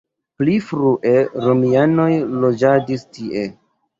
Pli frue romianoj loĝadis tie.